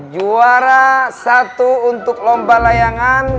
juara satu untuk lomba layangan